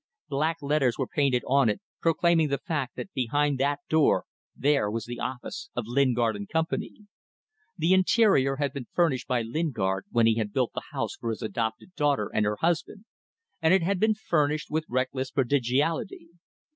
Black letters were painted on it proclaiming the fact that behind that door there was the office of Lingard & Co. The interior had been furnished by Lingard when he had built the house for his adopted daughter and her husband, and it had been furnished with reckless prodigality.